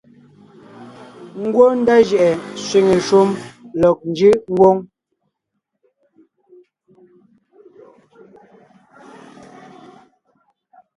Ngwɔ́ ndá jʉʼɛ sẅiŋe shúm lɔg njʉʼ ngwóŋ;